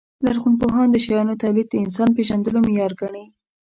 لرغونپوهان د شیانو تولید د انسان پېژندلو معیار ګڼي.